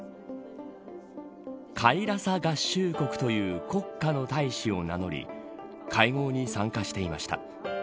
カイラサ合衆国、という国家の大使を名乗り会合に参加していました。